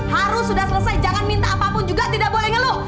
harus sudah selesai jangan minta apapun juga tidak boleh ngeluh